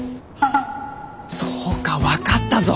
そうか分かったぞ。